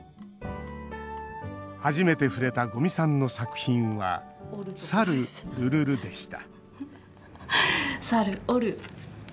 初めて触れた五味さんの作品は「さる・るるる」でした